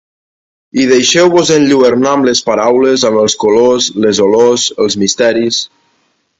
I deixeu-vos enlluernar amb les paraules, amb els colors, les olors, els misteris...